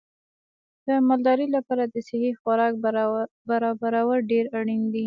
د مالدارۍ لپاره د صحي خوراک برابرول ډېر اړین دي.